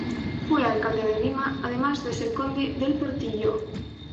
Fue alcalde de Lima, además de ser conde del Portillo.